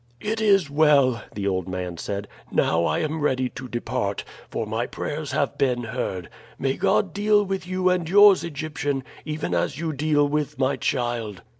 "It is well," the old man said. "Now I am ready to depart, for my prayers have been heard. May God deal with you and yours, Egyptian, even as you deal with my child."